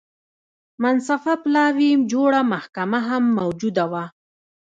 منصفه پلاوي جوړه محکمه هم موجوده وه.